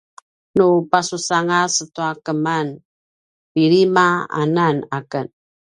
nu pasusangas tua keman pilima anan aken